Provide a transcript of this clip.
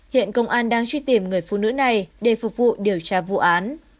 hiện công an đang truy tìm người phụ nữ này để phục vụ điều tra vụ án